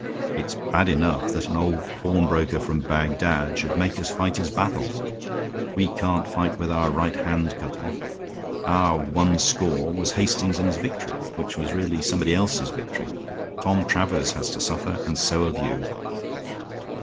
It's bad enough that an old pawnbroker from Bagdad should make us fight his battles; we can't fight with our right hand cut off. Our one score was Hastings and his victory, which was really somebody else's victory. Tom Travers has to suffer, and so have you."